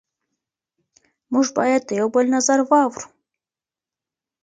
موږ باید د یو بل نظر واورو.